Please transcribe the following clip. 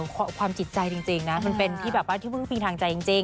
ความจิตใจจริงจริงนะมันเป็นที่แบบว่าที่มึงมีทางใจจริงจริง